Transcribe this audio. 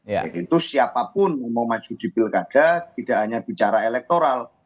yaitu siapapun yang mau maju di pilkada tidak hanya bicara elektoral